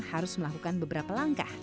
harus melakukan beberapa langkah